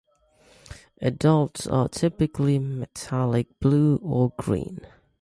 Adults are typically metallic blue or green.